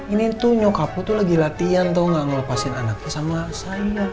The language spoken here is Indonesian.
ini tuh nyokapku tuh lagi latihan tuh gak ngelepasin anaknya sama saya